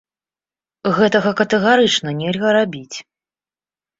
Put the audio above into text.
Гэтага катэгарычна нельга рабіць.